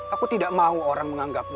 aku tidak mau orang menganggapmu